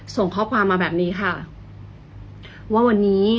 ส่งข้อความมาแบบนี้ค่ะ